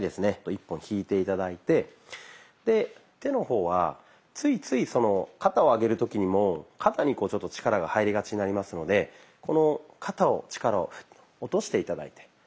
一歩引いて頂いてで手の方はついついその肩を上げる時にも肩にこうちょっと力が入りがちになりますのでこの肩を力をフッと落として頂いて。